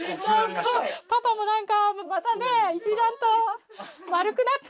パパも何かまたね一段と丸くなった。